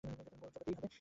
মূল্য চোকাতেই হবে!